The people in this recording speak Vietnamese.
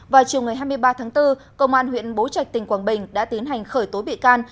vào chiều ngày hai mươi ba tháng bốn công an huyện bố trạch tỉnh quảng bình đã tiến hành khởi tố bị can